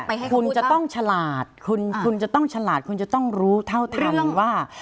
ปัดเดนตรงนี้คุณจะต้องฉลาดคุณจะต้องรู้เท่าทันว่า